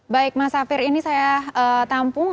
baik mas safir ini saya tampung